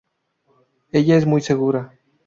Ella es muy segura.